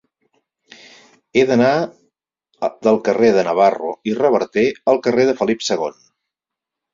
He d'anar del carrer de Navarro i Reverter al carrer de Felip II.